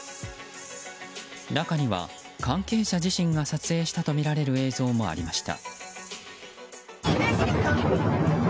中には、関係者自身が撮影したとみられる映像もありました。